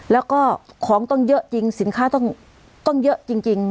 แล้วก็ของต้องเยอะจริงสินค้าต้องเยอะจริง